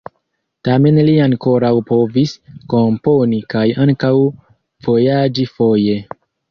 Tamen li ankoraŭ povis komponi kaj ankaŭ vojaĝi foje.